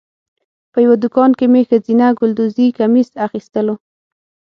په یوه دوکان کې مې ښځینه ګلدوزي کمیس اخیستلو.